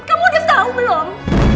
kamu udah tau belum